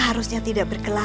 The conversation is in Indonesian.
kamu akan menellsakan saya